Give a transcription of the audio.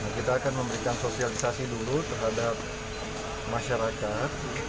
kita akan memberikan sosialisasi dulu terhadap masyarakat